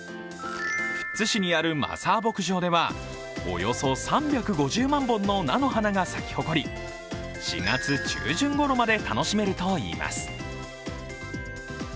富津市にあるマザー牧場ではおよそ３５０万本の菜の花が咲き誇り４月中旬ごろまで楽しめるといいます。